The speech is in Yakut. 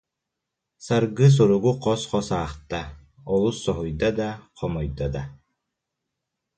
Саргы суругу хос-хос аахта, олус соһуйда да, хомойдо да